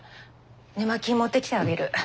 寝巻き持ってきてあげる。